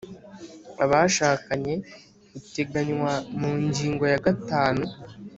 abashakanye uteganywa mu ngingo ya gatanu